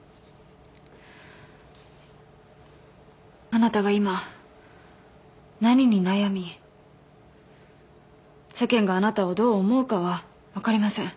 あなたが今何に悩み世間があなたをどう思うかは分かりません。